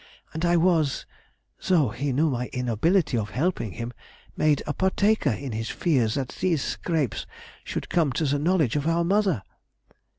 and I was (though he knew my inability of helping him) made a partaker in his fears that these scrapes should come to the knowledge of our mother.